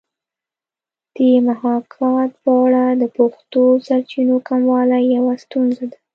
د محاکات په اړه د پښتو سرچینو کموالی یوه ستونزه ده